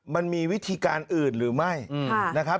มันมีวิธีการอื่นหรือไม่นะครับ